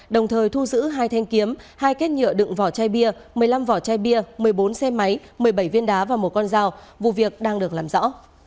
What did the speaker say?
đồng thời thu giữ hai thanh kiếm hai kết nhựa đựng vỏ chai bia một mươi năm vỏ chai bia một mươi bốn xe máy một mươi bảy viên đá và một con dao vụ việc đang được làm rõ